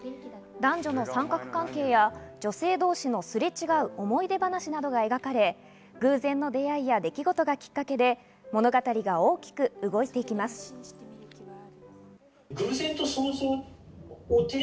男女の三角関係や女性同士のすれ違う思い出ばなしなどが描かれ偶然の出会いや出来事がきっかけで、物語が大きく動いていきます。